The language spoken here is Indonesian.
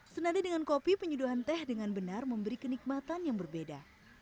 senada dengan kopi penyeduhan teh dengan benar memberi kenikmatan yang berbeda